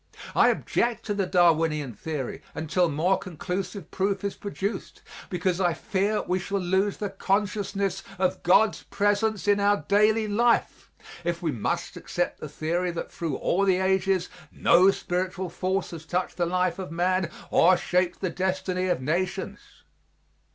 I object to the Darwinian theory, until more conclusive proof is produced, because I fear we shall lose the consciousness of God's presence in our daily life, if we must accept the theory that through all the ages no spiritual force has touched the life of man or shaped the destiny of nations.